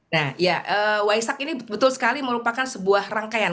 nah ya waisak ini betul sekali merupakan sebuah rangkaian